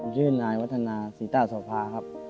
ชื่นนายวัฒนาสีตาสะพาน